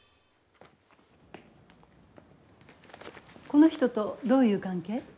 この人とどういう関係？